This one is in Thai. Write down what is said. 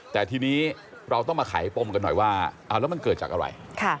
แต่ทีนี้เราต้องมาไขปมกันหน่อยว่าเอาแล้วมันเกิดจากอะไร